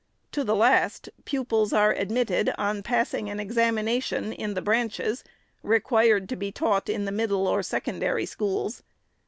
To the last, pupils are admitted on passing an examination in the branches required to be taught in the middle or secondary schools.